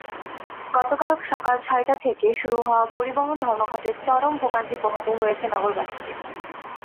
গতকাল সকাল ছয়টা থেকে শুরু হওয়া পরিবহন ধর্মঘটে চরম ভোগান্তি পোহাতে হয়েছে নগরবাসীকে।